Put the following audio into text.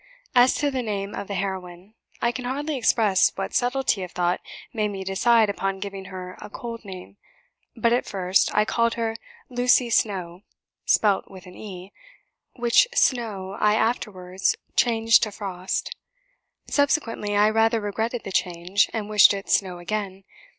As to the name of the heroine, I can hardly express what subtlety of thought made me decide upon giving her a cold name; but, at first, I called her 'Lucy Snowe' (spelt with an 'e'); which Snowe I afterwards changed to 'Frost.' Subsequently, I rather regretted the change, and wished it 'Snowe' again.